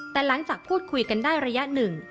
แต่หลังจากพูดคุยกันได้ระยะหนึ่ง